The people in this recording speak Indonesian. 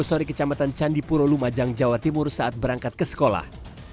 sore kecamatan candipuro lumajang jawa timur saat berangkat ke sekolah